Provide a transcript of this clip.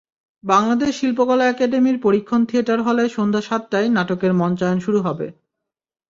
বাংলাদেশ শিল্পকলা একাডেমীর পরীক্ষণ থিয়েটার হলে সন্ধ্যা সাতটায় নাটকের মঞ্চায়ন শুরু হবে।